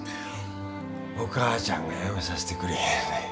お母ちゃんがやめさせてくれへんねん。